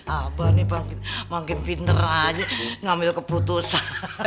apa nih makin pinter aja ngambil keputusan